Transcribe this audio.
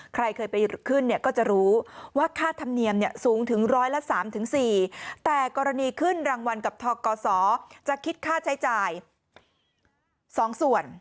ใครเคยไปขึ้นเนี่ยก็จะรู้ว่าค่าธรรมเนียมสูงถึงร้อยละ๓๔แต่กรณีขึ้นรางวัลกับทกศจะคิดค่าใช้จ่าย๒ส่วน